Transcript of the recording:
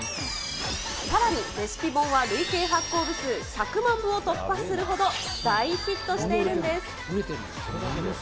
さらに、レシピ本は累計発行部数１００万部を突破するほど大ヒットしているんです。